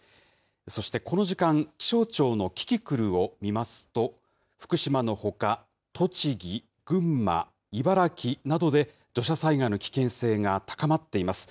そしてこの時間、気象庁のキキクルを見ますと、福島のほか、栃木、群馬、茨城などで、土砂災害の危険性が高まっています。